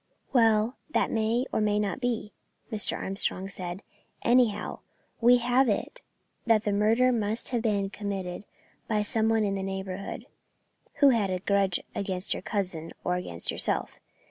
"Well, that may or may not be," Mr. Armstrong said; "anyhow, we have it that the murder must have been committed by some one in the neighbourhood, who had a grudge against your cousin or against yourself.